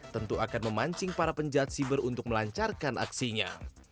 tentu akan memancing para penjahat siber untuk melancarkan aksinya